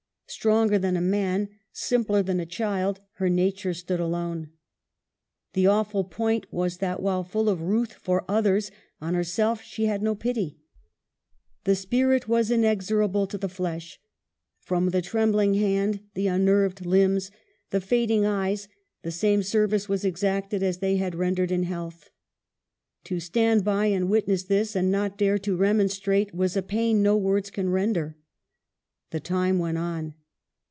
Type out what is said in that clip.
Stronger than a man, simpler than a child, her nature stood alone. The awful point was that, while full of ruth for others, on herself she had no pity ; the spirit was inexorable to the flesh ; from the trembling hand, the unnerved limbs, the fading eyes, the same service was exacted as they had rendered in health. To stand by and witness this, and not dare to remonstrate, was a pain no words can render." The time went on.